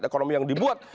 paket ekonomi yang dibuat